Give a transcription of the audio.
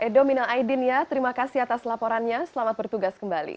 edo mina aidin ya terima kasih atas laporannya selamat bertugas kembali